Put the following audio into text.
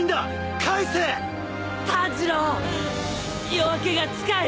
夜明けが近い！